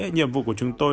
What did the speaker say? nhiệm vụ của chúng tôi